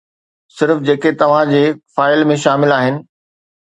صرف جيڪي توهان جي فائل ۾ شامل آهن.